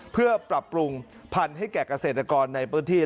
เพื่อปรับปรุงพันธุ์ให้แก่เกษตรกรในพื้นที่